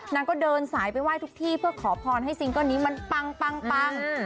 นางก็เดินสายไปไหว้ทุกที่เพื่อขอพรให้ซิงเกิ้ลนี้มันปัง